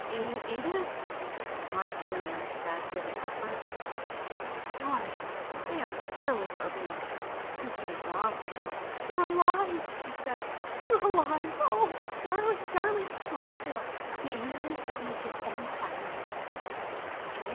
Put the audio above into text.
"Edith," Mark Williams said with an effort. "Sorry—damned careless of me. Thinking of the hospital...." "You're alive!" she said. "You're alive! Oh, darling, darling, lie still, the ambulance will be here any second."